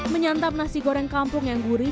menyantap nasi goreng kampung yang gurih